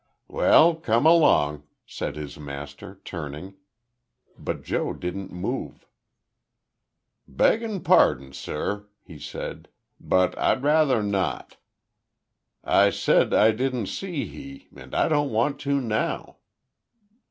"Well, come along," said his master, turning. But Joe didn't move. "Beggin' pardon, sur," he said, "but I'd rather not. I said I didn't see he, and I don't want to now."